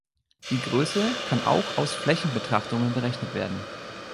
Die Größe kann auch aus Flächenbetrachtungen berechnet werden.